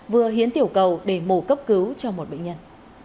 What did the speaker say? vừa hiến tiểu cầu để mổ cấp cứu cho một bệnh nhân